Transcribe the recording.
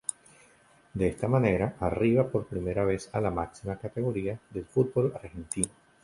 De esta manera, arriba por primera vez a la máxima categoría del fútbol argentino.